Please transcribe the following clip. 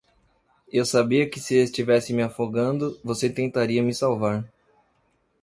Eu sabia que se estivesse me afogando, você tentaria me salvar.